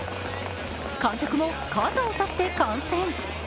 観客も傘を差して観戦。